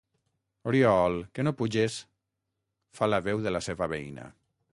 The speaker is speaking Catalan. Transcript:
Orioool, que no puges? —fa la veu de la seva veïna.